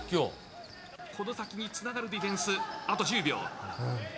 この先につながるディフェンス、あと１０秒。